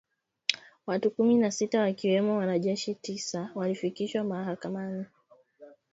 Watu kumi na sita wakiwemo wanajeshi tisa walifikishwa mahakamani ,siku ya Jumatatu ,nchini Jamuhuri ya Kidemokrasia ya Kongo